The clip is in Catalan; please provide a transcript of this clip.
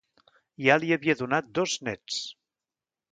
Ja li havia donat dos néts.